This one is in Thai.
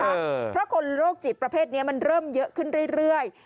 เพราะคนโรคจิตประเภทนี้มันเริ่มเยอะขึ้นเรื่อย